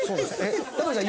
タモリさん